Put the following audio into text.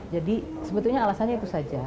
jadi sebetulnya alasannya itu saja